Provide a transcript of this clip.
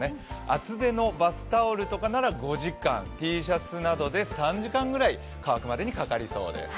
厚手のバスタオルとかなら５時間Ｔシャツなどで３時間くらい、乾くまでかかりそうです。